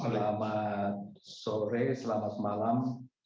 selamat sore selamat malam